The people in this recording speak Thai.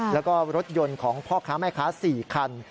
แล้วก็รถยนต์ของพ่อค้าแม่ค้า๔คัน